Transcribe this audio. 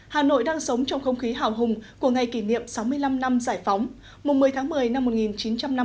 hà nội đang sống trong không khí hào hùng của ngày kỷ niệm sáu mươi năm năm giải phóng một mươi tháng một mươi năm một nghìn chín trăm năm mươi